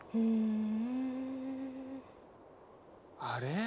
あれ？